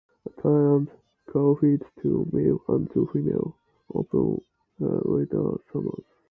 Thailand qualified two male and two female open water swimmers.